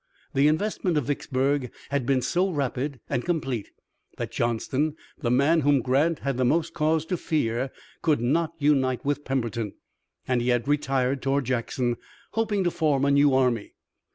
The investment of Vicksburg had been so rapid and complete that Johnston, the man whom Grant had the most cause to fear, could not unite with Pemberton, and he had retired toward Jackson, hoping to form a new army.